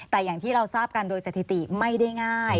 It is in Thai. แต่อย่างที่เราทราบกันโดยสถิติไม่ได้ง่าย